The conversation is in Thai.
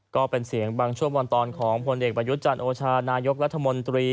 ก็เป็นเสียงบางชั่วมณ์ตอนของพเบายุจันโอชานายกรัฐมนตรี